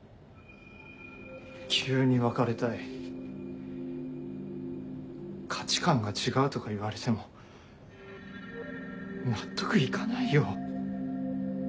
急に「別れたい」「価値観が違う」とか言われても納得行かないよ。